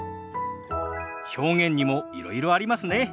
表現にもいろいろありますね。